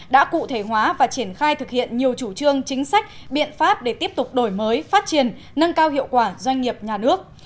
đã cụ thể hóa và triển khai thực hiện nhiều chủ trương chính sách biện pháp để tiếp tục đổi mới phát triển nâng cao hiệu quả doanh nghiệp nhà nước